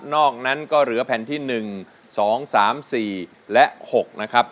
อกนั้นก็เหลือแผ่นที่๑๒๓๔และ๖นะครับ